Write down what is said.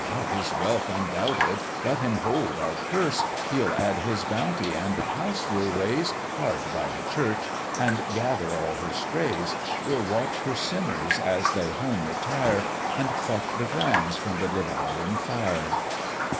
"His wealth's undoubted let him hold our purse; He'll add his bounty, and the house we'll raise Hard by the church, and gather all her strays: We'll watch her sinners as they home retire, And pluck the brands from the devouring fire."